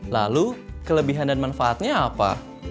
lalu kelebihan dan manfaatnya apa